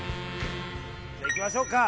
じゃあ行きましょうか。